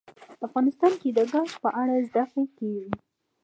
افغانستان کې د ګاز په اړه زده کړه کېږي.